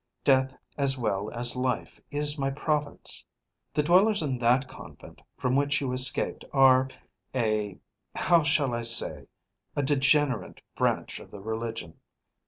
Death as well as life is my province. The dwellers in that convent from which you escaped are a how shall I say, a degenerate branch of the religion.